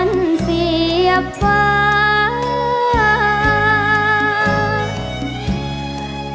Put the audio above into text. ทรงสูงพอทั้งจวนเสียบฟ้า